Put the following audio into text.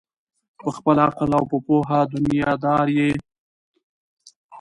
په خپل عقل او په پوهه دنیادار یې